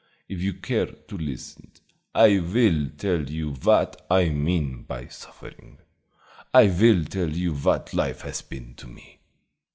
If you care to listen, I will tell you what I mean by suffering; I will tell you what life has been to me."